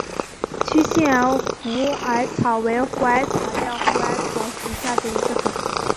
区限虎耳草为虎耳草科虎耳草属下的一个种。